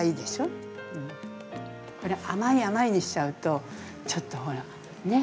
これ、甘い甘いにしちゃうとちょっとほらね？